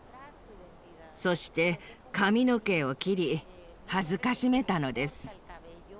そして髪の毛を切り辱めたのです。